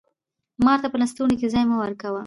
مار ته په لستوڼي کي ځای مه ورکوه!